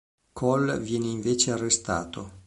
Cole viene invece arrestato.